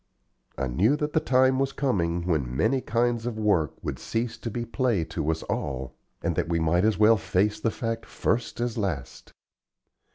I knew that the time was coming when many kinds of work would cease to be play to us all, and that we might as well face the fact first as last.